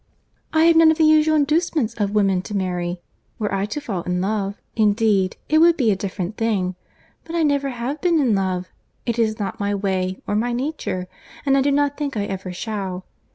— "I have none of the usual inducements of women to marry. Were I to fall in love, indeed, it would be a different thing! but I never have been in love; it is not my way, or my nature; and I do not think I ever shall.